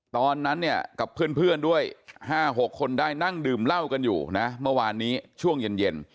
ตอนนั้นเนี่ยกับเพื่อนด้วย๕๖คนได้นั่งดื่มเหล้ากันอยู่นะเมื่อวานนี้ช่วงเย็น